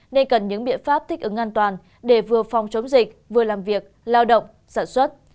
nên cần những biện pháp thích ứng an toàn để vừa phòng chống dịch vừa làm việc lao động sản xuất